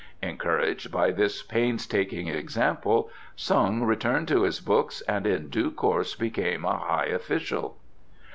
Encouraged by this painstaking example Tsung returned to his books and in due course became a high official."